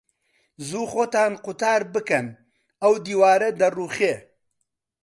زوو خۆتان قوتار بکەن، ئەو دیوارە دەڕووخێ.